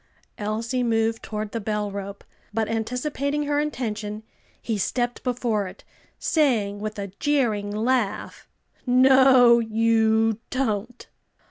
Elsie moved toward the bell rope, but anticipating her intention, he stepped before it, saying with a jeering laugh, "No, you don't!"